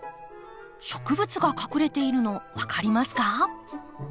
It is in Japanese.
植物が隠れているの分かりますか？